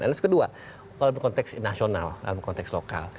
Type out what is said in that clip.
dan itu kedua dalam konteks nasional dalam konteks lokal